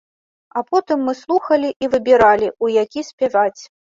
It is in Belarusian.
А потым мы слухалі і выбіралі, у які спяваць.